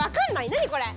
何これ？